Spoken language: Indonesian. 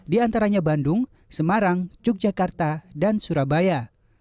di antaranya bandung semarang yogyakarta dan surabaya